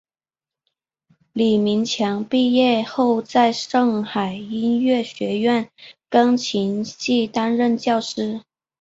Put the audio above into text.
李名强毕业后在上海音乐学院钢琴系担任教师。